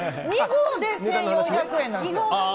２合で１４００円なんですよ。